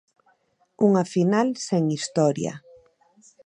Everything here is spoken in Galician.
Unha final sen historia.